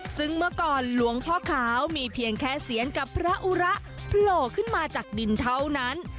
ซึ่งเมื่อก่อนหลวงพ่อขาวมีเพียงแค่เสียนกับพระอุระโผล่ขึ้นมาจากดินเท่านั้น